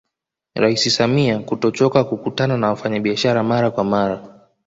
Rais Samia kutochoka kukutana na wafanyabiashara mara kwa mara